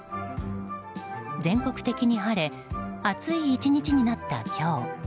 全国的に晴れ暑い１日になった今日。